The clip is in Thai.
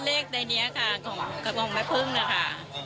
ก็เลขในเนี้ยค่ะกับของแม่พึ่งนะค่ะ